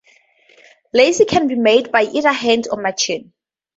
Lace can be made by either hand or machine.